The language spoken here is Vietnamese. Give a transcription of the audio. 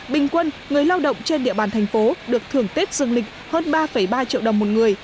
bình quân người lao động trên địa bàn thành phố được thưởng tết dương lịch hơn ba ba triệu đồng một người